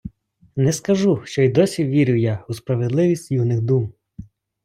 Не скажу, що й досі вірю я у справедливість юних дум